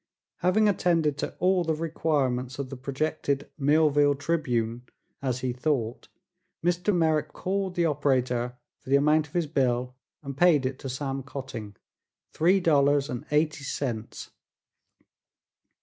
Having attended to all the requirements of the projected Millville Tribune, as he thought, Mr. Merrick called the operator for the amount of his bill and paid it to Sam Cotting three dollars and eighty cents.